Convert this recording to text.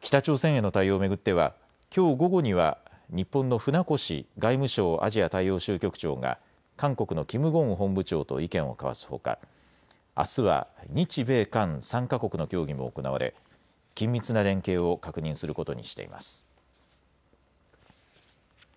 北朝鮮への対応を巡ってはきょう午後には日本の船越外務省アジア大洋州局長が韓国のキム・ゴン本部長と意見を交わすほかあすは日米韓３か国の協議も行われ緊密な連携を確認することにしています。